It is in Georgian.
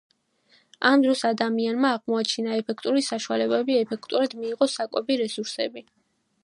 ამ დროს ადამიანმა აღმოაჩინა ეფექტური საშუალებები ეფექტურად მიეღო საკვები რესურსები.